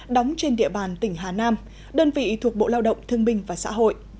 đóng trên địa bàn tỉnh hà nam đơn vị thuộc bộ lao động thương binh và xã hội